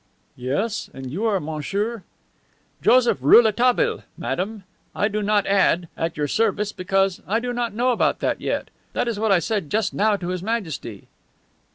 "Yes. And you are Monsieur ?" "Joseph Rouletabille, madame. I do not add, 'At your service because I do not know about that yet. That is what I said just now to His Majesty."